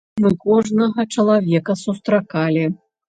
Мы кожнага чалавека сустракалі.